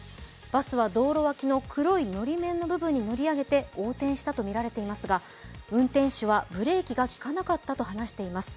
バスは道路脇の黒いのり面の部分に乗り上げて横転したとみられていますが運転手はブレーキが利かなかったと話しています。